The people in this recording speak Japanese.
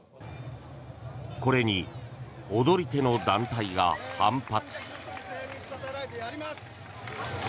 これに踊り手の団体が反発。